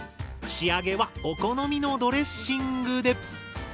仕上げはお好みのドレッシングで！